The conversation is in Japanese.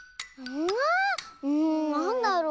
うんなんだろう？